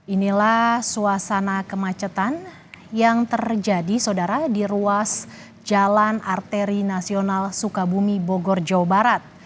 inilah suasana kemacetan yang terjadi saudara di ruas jalan arteri nasional sukabumi bogor jawa barat